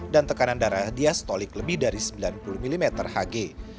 dan tekanan darah diastolik lebih dari sembilan puluh mmhg